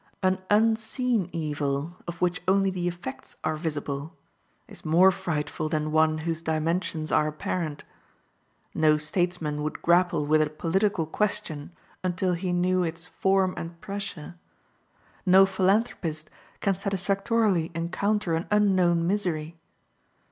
An unseen evil, of which only the effects are visible, is more frightful than one whose dimensions are apparent. No statesman would grapple with a political question until he knew its "form and pressure;" no philanthropist can satisfactorily encounter an unknown misery.